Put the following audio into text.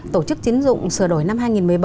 tổ chức tín dụng sửa đổi năm hai nghìn một mươi bảy